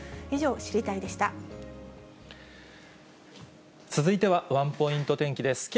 以上、続いては、ワンポイント天気です。